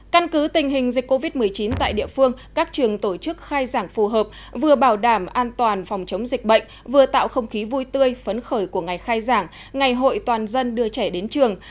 căn cứ tình hình dịch covid một mươi chín tại địa phương các trường tổ chức khai giảng phù hợp vừa bảo đảm an toàn phòng chống dịch bệnh vừa tạo không khí vui tươi phấn khởi của ngày khai giảng ngày hội toàn dân đưa trẻ đến trường